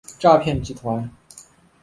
诈骗集团